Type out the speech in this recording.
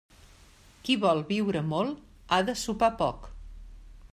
Qui vol viure molt, ha de sopar poc.